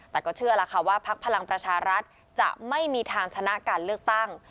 แต่ก็เชื่อแล้วค่ะว่าพักพลังประชารัฐจะไม่มีทางชนะการเลือกตั้ง